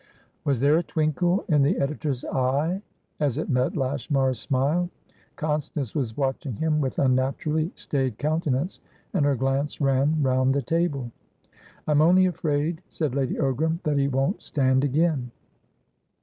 Was there a twinkle in the editor's eye as it met Lashmar's smile? Constance was watching him with unnaturally staid countenance, and her glance ran round the table. "I'm only afraid," said Lady Ogram, "that he won't stand again."